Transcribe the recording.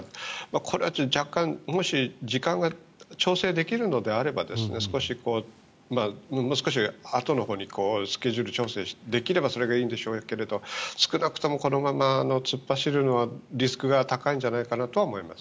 これはもし時間が調整できるのであればもう少しあとのほうにスケジュール調整ができればそれがいいんでしょうけど少なくともこのまま突っ走るのはリスクが高いんじゃないかと思います。